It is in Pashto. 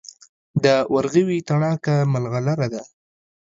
د ورغوي تڼاکه ملغلره ده.